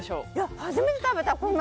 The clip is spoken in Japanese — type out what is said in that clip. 初めて食べた。